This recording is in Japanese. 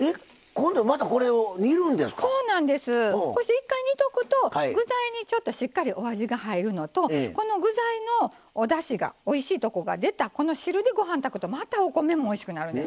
こうして一回煮ておくと具材にしっかりお味が入るのとこの具材のおだしがおいしいとこが出たこの汁でご飯を炊くとまたお米もおいしくなるんです。